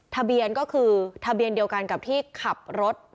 ทะเบียนก็คือทะเบียนเดียวกันกับที่ขับรถ